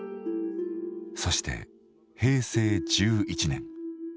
そして平成１１年。